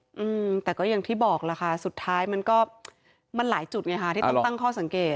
อืมแต่ก็อย่างที่บอกล่ะค่ะสุดท้ายมันก็มันหลายจุดไงค่ะที่ต้องตั้งข้อสังเกต